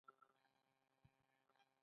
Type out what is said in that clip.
د چغندر شیره د څه لپاره وکاروم؟